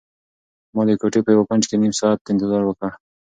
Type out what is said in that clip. ما د کوټې په یو کنج کې نيم ساعت انتظار وکړ.